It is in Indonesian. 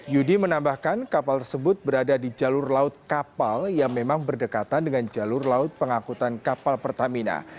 yudi menambahkan kapal tersebut berada di jalur laut kapal yang memang berdekatan dengan jalur laut pengangkutan kapal pertamina